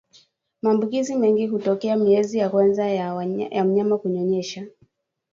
Maambukizi mengi hutokea miezi ya kwanza ya mnyama kunyonyesha